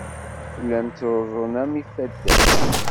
Llan ttruẓun-am yifadden.